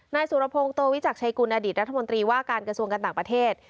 นายสุรพงศ์โตวิจักรชัยกุลอดีตรัฐมนตรีว่าการกระทรวงการต่างประเทศ